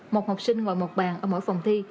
một học sinh ngồi một bàn ở mỗi phòng thi